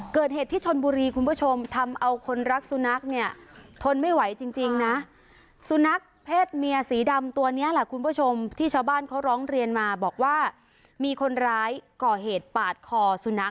เกิดเหตุที่ชนบุรีคุณผู้ชมทำเอาคนรักสุนัขเนี่ยทนไม่ไหวจริงนะสุนัขเพศเมียสีดำตัวนี้แหละคุณผู้ชมที่ชาวบ้านเขาร้องเรียนมาบอกว่ามีคนร้ายก่อเหตุปาดคอสุนัข